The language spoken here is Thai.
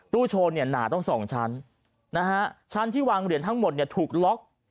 โชว์เนี่ยหนาต้องสองชั้นนะฮะชั้นที่วางเหรียญทั้งหมดเนี่ยถูกล็อก